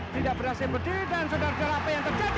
tidak berhasil berdiri dan saudara saudara apa yang terjadi